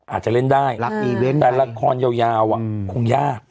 อาจจะเล่นได้แต่ละครยาวคงยาก